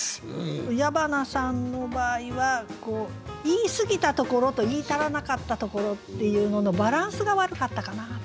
矢花さんの場合は言いすぎたところと言い足らなかったところっていうののバランスが悪かったかなと思いますね。